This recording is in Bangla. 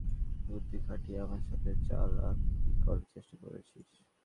কিন্তু সেই সরকার তাদের ক্রিমিনাল বুদ্ধি খাটিয়ে আমার সাথে চালাকি করার চেষ্টা করেছিল।